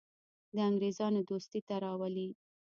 د انګرېزانو دوستي ته راولي.